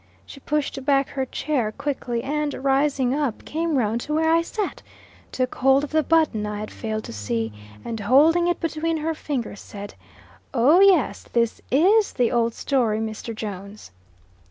She pushed back her chair quickly, and rising up, came round to where I sat, took hold of the button I had failed to see, and holding it between her fingers, said, "Oh, yes, this is the old story, Mr. Jones!"